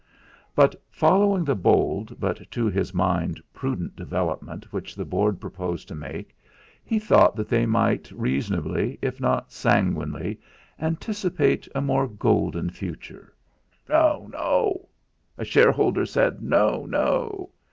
But following the bold but to his mind prudent development which the Board proposed to make, he thought that they might reasonably, if not sanguinely, anticipate a more golden future. ("No, no!") A shareholder said, 'No, no!'